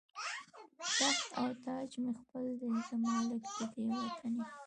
تخت او تاج مې خپل دی، زه مالک د دې وطن یمه